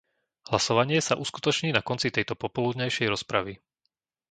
Hlasovanie sa uskutoční na konci tejto popoludňajšej rozpravy.